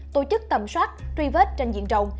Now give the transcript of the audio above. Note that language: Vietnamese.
tổ chức tầm soát truy vết trên diện rộng